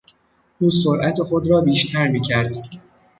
او سرعت خود را بیشتر میکرد.